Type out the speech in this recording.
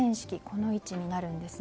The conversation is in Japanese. この位置になるんです。